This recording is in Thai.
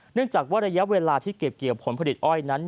เนื่องจากว่าระยะเวลาที่เก็บเกี่ยวผลผลิตอ้อยนั้น